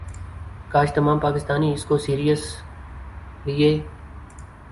کاش تمام پاکستانی اس کو سیرس لیے